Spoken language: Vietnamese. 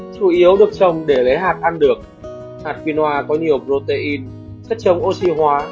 chủ yếu được trồng để lấy hạt ăn được hạt vinoa có nhiều protein chất trồng oxy hóa